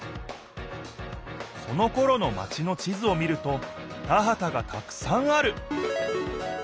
そのころのマチの地図を見ると田はたがたくさんある。